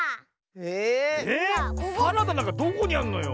ええっ⁉サラダなんかどこにあんのよ？